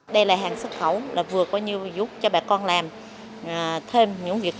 đây là hàng xuất khẩu là vừa có nhiều giúp cho bà con làm thêm những việc